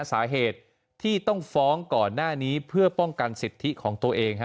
สาเหตุที่ต้องฟ้องก่อนหน้านี้เพื่อป้องกันสิทธิของตัวเอง